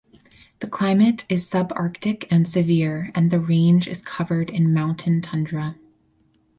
The climate is subarctic and severe and the range is covered in mountain tundra.